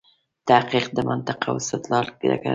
تحقیق د منطق او استدلال ډګر دی.